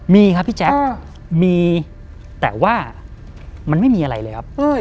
มีครับพี่แจ๊คมีแต่ว่ามันไม่มีอะไรเลยครับ